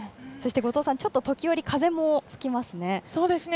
後藤さん、ちょっと時折風も吹きますね